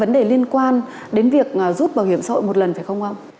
vấn đề liên quan đến việc rút bảo hiểm xã hội một lần phải không ông